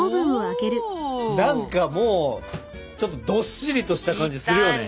何かもうちょっとどっしりとした感じするよね。